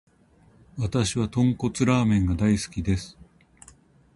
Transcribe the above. わたしは豚骨ラーメンが大好きです。